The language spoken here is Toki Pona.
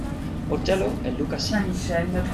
o telo e luka sina.